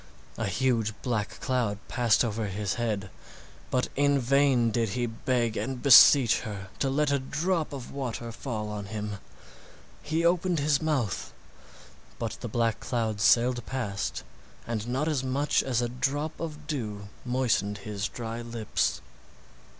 A huge black cloud passed over his head, but in vain did he beg and beseech her to let a drop of water fall on him. He opened his mouth, but the black cloud sailed past and not as much as a drop of dew moistened his dry lips.